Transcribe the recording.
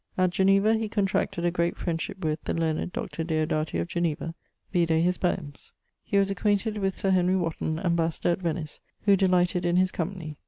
At Geneva he contracted a great friendship with the learned Dr. Deodati of Geneva: vide his poems. He was acquainted with Sir Henry Wotton, ambassador at Venice, who delighted in his company.